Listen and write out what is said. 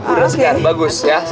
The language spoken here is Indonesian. dura segar bagus ya